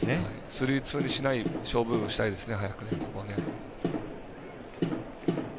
スリーツーにしない勝負をしたいですね。